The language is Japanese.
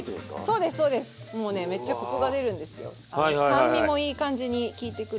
酸味もいい感じに効いてくるし。